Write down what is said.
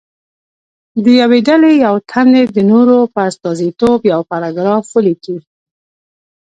د یوې ډلې یو تن دې د نورو په استازیتوب یو پاراګراف ولیکي.